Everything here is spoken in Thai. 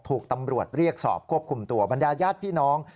ถูกตำรวจเรียกสอบควบคุมตัวบรรดาญาติพี่น้อง